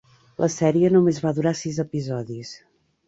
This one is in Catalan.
La sèrie només va durar sis episodis.